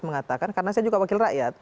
mengatakan karena saya juga wakil rakyat